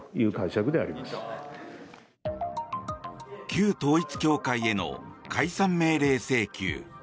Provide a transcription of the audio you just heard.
旧統一教会への解散命令請求。